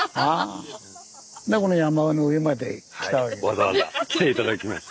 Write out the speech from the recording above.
わざわざ来て頂きました。